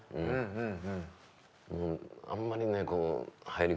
うん。